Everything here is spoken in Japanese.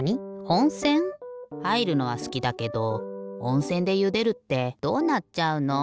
おんせん？はいるのはすきだけどおんせんでゆでるってどうなっちゃうの？